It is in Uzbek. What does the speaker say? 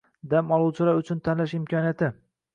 Dam oluvchilar uchun tanlash imkoniyati